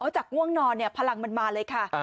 จากง่วงนอนเนี่ยพลังมันมาเลยค่ะ